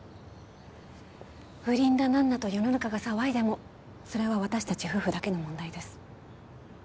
不倫だ何だと世の中が騒いでもそれは私達夫婦だけの問題です